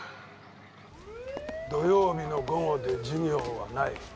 土曜日の午後で授業はない。